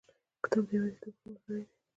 کتاب د یوازیتوب ښه ملګری دی.